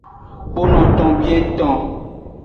Kponoton bieton.